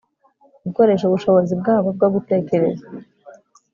gukoresha ubushobozi bwabo bwo gutekereza